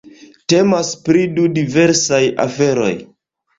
Temas pri du diversaj aferoj.